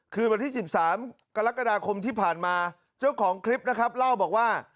คืนวันที่๑๓กรกฎาคมที่ผ่านมาเจ้าของคลิปนะครับเล่าบอกว่า